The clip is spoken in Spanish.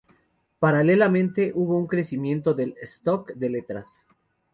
Paralelamente hubo un crecimiento del stock de letras.